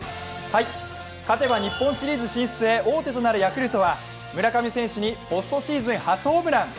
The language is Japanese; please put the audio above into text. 勝てば日本シリーズ進出へ王手となるヤクルトは村上選手にポストシーズン初ホームラン。